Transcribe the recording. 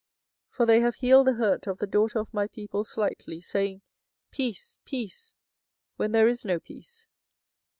24:008:011 For they have healed the hurt of the daughter of my people slightly, saying, Peace, peace; when there is no peace.